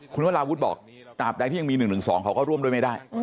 คุณวราวุฒิบอกตราบใดที่ยังมี๑๑๒เขาก็ร่วมด้วยไม่ได้